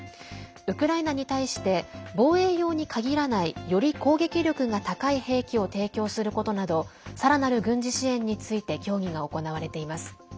ウクライナに対して防衛用に限らないより攻撃力が高い兵器を提供することなどさらなる軍事支援について協議が行われています。